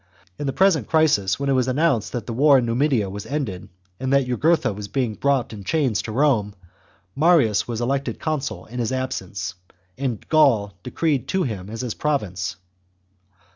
In the present crisis, when it was announced that the war in Numidia was ended, and that Jugurtha was being brought in chains to Rome, Marius was elected consul in his absence, and Gaul decreed to him as his province.